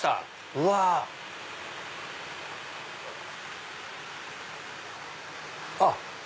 うわ！あっ。